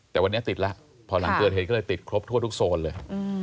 แต่วันนี้ติดแล้วพอหลังเกิดเหตุก็เลยติดครบทั่วทุกโซนเลย